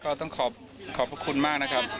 ก็ต้องขอบพระคุณมากนะครับ